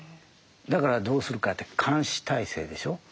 だからどうするかって監視体制でしょ。